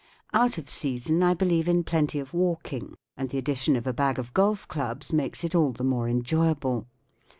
Out of season I belieVe in plenty of walking, and the addition of a bag of golf clubs makes it all the more enjoyable.